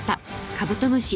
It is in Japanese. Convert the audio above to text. カブトムシ！